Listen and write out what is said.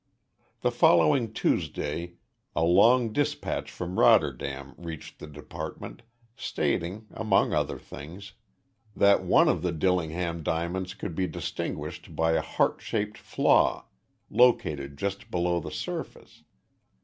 The following Tuesday a long dispatch from Rotterdam reached the department, stating, among other things, that one of the Dillingham diamonds could be distinguished by a heart shaped flaw located just below the surface.